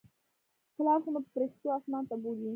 پلار خو مې پرښتو اسمان ته بولى.